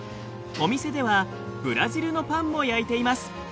お店ではブラジルのパンも焼いています。